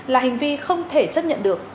là hành vi không thể chấp nhận được